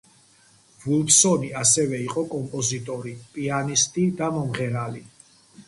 ვულფსონი ასევე იყო კომპოზიტორი, პიანისტი და მომღერალი.